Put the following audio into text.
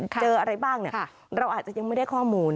เจออะไรบ้างเราอาจจะยังไม่ได้ข้อมูล